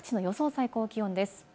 最高気温です。